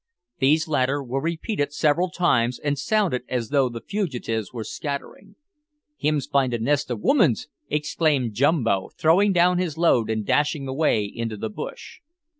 These latter were repeated several times, and sounded as though the fugitives were scattering. "Hims find a nest of womins!" exclaimed Jumbo, throwing down his load and dashing away into the bush.